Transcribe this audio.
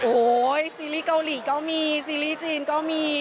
โอ้โหซีรีส์เกาหลีก็มีซีรีส์จีนก็มี